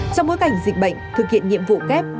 trong bối cảnh dịch bệnh thực hiện nhiệm vụ kép